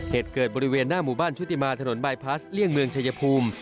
เหตุเกิดบริเวณหน้าหมู่บ้านชุติมาถนนบายพลัสเลี่ยงเมืองชายภูมิ